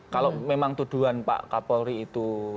kalau memang tuduhan pak kapolri itu